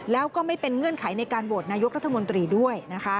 แล้วก็ไม่เป็นเงื่อนไขในการโหวตนายกรัฐมนตรีด้วยนะคะ